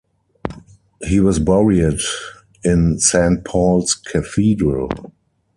He was buried in Saint Paul's Cathedral.